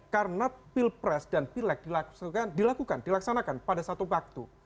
karena pilpres dan pilek dilakukan dilaksanakan pada satu waktu